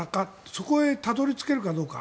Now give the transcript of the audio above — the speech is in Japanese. そこにたどり着けるかどうか。